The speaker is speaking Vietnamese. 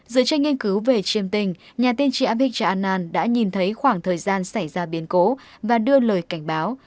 dưới tranh nghiên cứu về chiêm tình nhà tiên tri abhijit anand đã nhìn thấy khoảng thời gian xảy ra biến cố và đưa lời cảnh báo